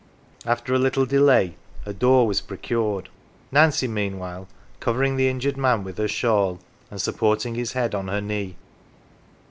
After a little delay a door was procured ; Nancy, meanwhile, covering the injured man with her shawl, and supporting his head on her knee.